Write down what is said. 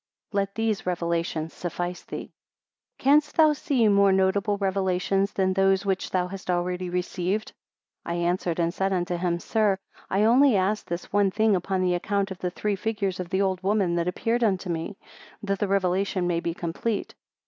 Let these Revelations suffice thee. 114 Canst thou see more notable Revelations than those which thou hast already received? 115 I answered and said unto him, Sir, I only ask this one thing upon the account of the three figures of the old woman that appeared to me, that the Revelation may be complete.